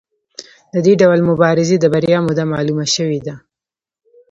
د دې ډول مبارزې د بریا موده معلومه شوې ده.